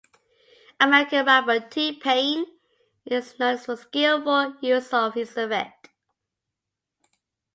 American Rapper T-Pain is known for his skillful use of this effect.